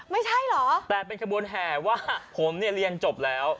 ไม่ใช่เหรอแต่เป็นขบวนแห่ว่าผมเนี่ยเรียนจบแล้ว